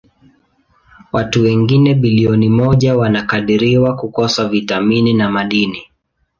Watu wengine bilioni moja wanakadiriwa kukosa vitamini na madini.